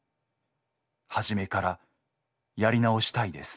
はじめからやり直したいです」。